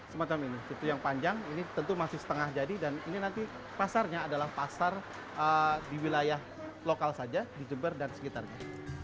semacam ini itu yang panjang ini tentu masih setengah jadi dan ini nanti pasarnya adalah pasar di wilayah lokal saja di jember dan sekitarnya